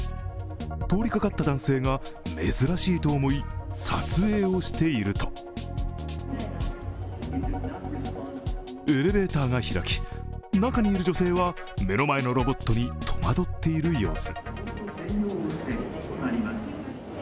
通りかかった男性が珍しいと思い、撮影をしているとエレベーターが開き、中にいる女性は目の前のロボットに戸惑っている様子。